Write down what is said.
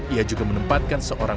ia juga menempatkan seorang